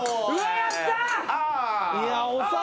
やったー！